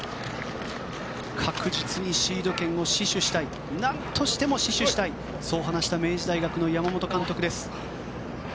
確実にシード権を死守したいなんとしても死守したいそう話した明治大学の山本監督です。